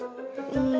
うん？